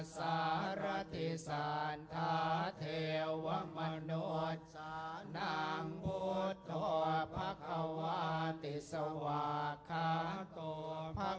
สารทิสันทะเทวะมนุนนางพักขวาตาธรรม